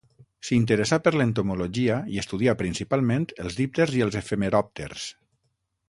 S'interessà per l'entomologia i estudià principalment els dípters i els efemeròpters.